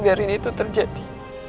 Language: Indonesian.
biarin itu terjadi